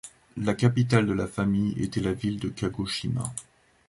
La capitale de la famille était la ville de Kagoshima.